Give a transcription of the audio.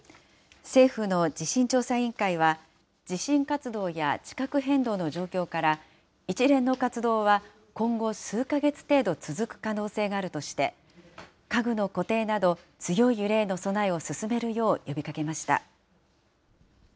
政府の地震調査委員会は、地震活動や地殻変動の状況から、一連の活動は今後数か月程度続く可能性があるとして、家具の固定など強い揺れへの備えを進めるよう呼びかけました。